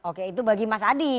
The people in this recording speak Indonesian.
oke itu bagi mas adi